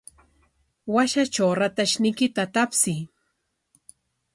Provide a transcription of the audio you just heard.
Washatraw ratayniykita tapsiy.